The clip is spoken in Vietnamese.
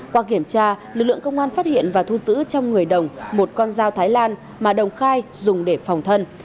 qua kiểm tra lực lượng công an phát hiện và thu giữ trong người đồng một con dao thái lan mà đồng khai dùng để phòng thân